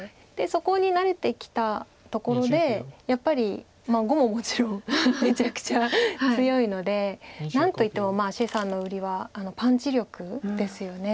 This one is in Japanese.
そこに慣れてきたところでやっぱり碁ももちろんめちゃくちゃ強いので何といっても謝さんの売りはパンチ力ですよね。